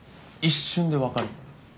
一瞬で分かるの。